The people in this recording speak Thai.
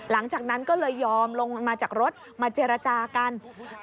ลูกชายผมไม่จอดผมกลัวจะตอบ